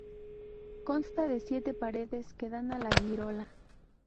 Consta de siete paredes que dan a la girola.